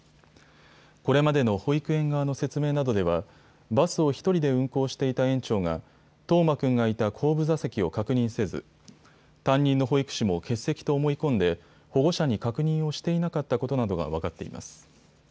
これまでの保育園側の説明などではバスを１人で運行していた園長が冬生君がいた後部座席を確認せず担任の保育士も欠席と思い込んで保護者に確認をしていなかったことなどが分かっています。